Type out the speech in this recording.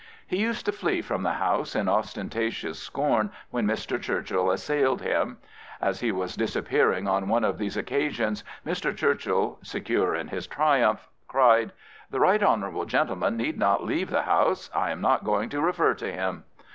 He used to flee from the House in ostentatious scorn when Mr. Churchill assailed him. As~he was disappearing on one of these occasions, Mr. Churchill, secure in his triumph, cried, " The right hon. gentleman need not leave the House. I am not going to refer to him."